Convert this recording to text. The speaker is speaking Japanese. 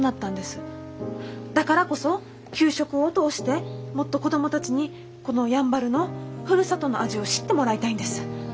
だからこそ給食を通してもっと子供たちにこのやんばるのふるさとの味を知ってもらいたいんです。